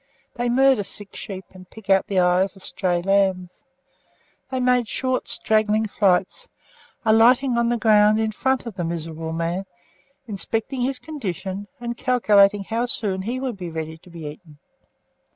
They murder sick sheep, and pick out the eyes of stray lambs. They made short straggling flights, alighting on the ground in front of the miserable man, inspecting his condition, and calculating how soon he would be ready to be eaten.